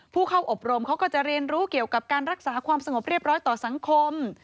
ผู้เข้าอบรมเขาก็จะเรียนรู้เกี่ยวกับการรักษาความสงบเรียบร้อยต่อสังคม